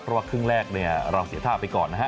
เพราะว่าครึ่งแรกเนี่ยเราเสียท่าไปก่อนนะฮะ